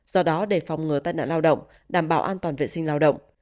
do đó để phòng ngừa tai nạn lao động đảm bảo an toàn vệ sinh lao động